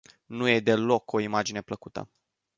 Nu e deloc o imagine plăcută.